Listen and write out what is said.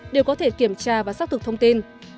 đều có thể kiểm tra và xác thực thông tin